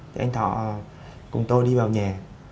thì anh thọ cùng tôi đi vào nhà